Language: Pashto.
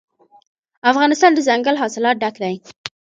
افغانستان له دځنګل حاصلات ډک دی.